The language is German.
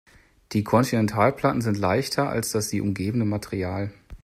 Die Kontinentalplatten sind leichter als das sie umgebende Material.